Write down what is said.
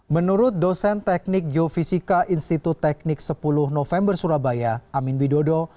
menurut dosen teknik geofisika institut teknik sepuluh november surabaya amin widodo